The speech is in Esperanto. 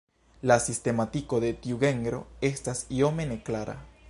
La sistematiko de tiu genro estas iome neklara.